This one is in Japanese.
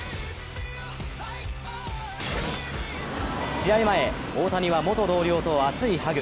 試合前、大谷は元同僚と熱いハグ。